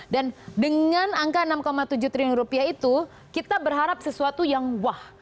dan dengan angka enam tujuh triliun rupiah itu kita berharap sesuatu yang wah